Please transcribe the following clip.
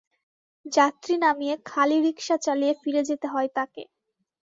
যাত্রী নামিয়ে খালি রিকশা চালিয়ে ফিরে যেতে হয় তাঁকে।